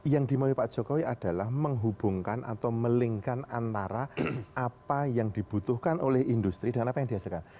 yang dimiliki pak jokowi adalah menghubungkan atau melingkan antara apa yang dibutuhkan oleh industri dan apa yang dihasilkan